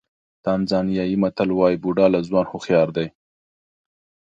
تانزانیايي متل وایي بوډا له ځوان هوښیار دی.